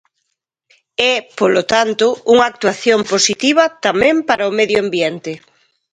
É, polo tanto, unha actuación positiva tamén para o medio ambiente.